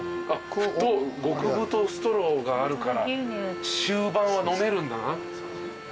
極太ストローがあるから終盤は飲めるんだな。